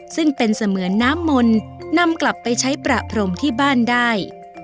ซึ่งเป็นเสมือนน้ำมนต์นำกลับไปใช้ประพรมที่บ้านได้